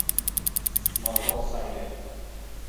外國勢力